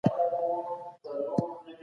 ما یو ښکلی قلم جوړ کړی دی.